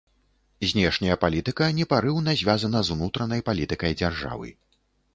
Знешняя палітыка непарыўна звязана з унутранай палітыкай дзяржавы.